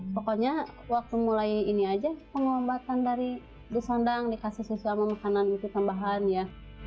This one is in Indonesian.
pokoknya waktu mulai ini aja pengobatan dari disandang dikasih susu sama makanan itu tambahan ya